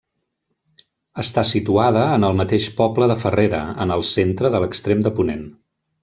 Està situada en el mateix poble de Farrera, en el centre de l'extrem de ponent.